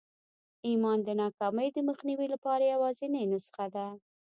ایمان د ناکامۍ د مخنیوي لپاره یوازېنۍ نسخه ده